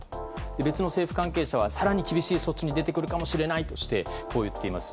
別の政府関係者は更に厳しい措置に出てくるかもしれないとしてこう言っています。